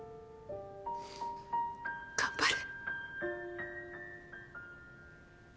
頑張れ。